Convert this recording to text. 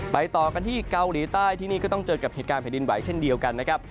ต่อกันที่เกาหลีใต้ที่นี่ก็ต้องเจอกับเหตุการณ์แผ่นดินไหวเช่นเดียวกันนะครับ